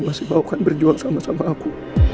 masih mau kan berjuang sama sama aku